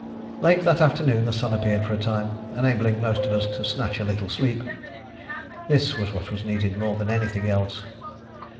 Late that afternoon the sun appeared for a time, enabling most of us to snatch a little sleep. This was what was needed more than anything else.